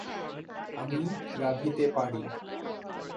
আমি রাঁধিতে পারি।